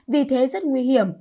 vì thế rất nguy hiểm